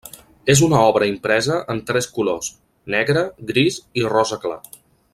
És una obra impresa en tres colors: negre, gris i rosa clar.